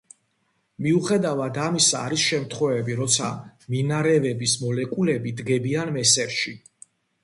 მიუხედავად ამისა, არის შემთხვევები როცა მინარევების მოლეკულები დგებიან მესერში.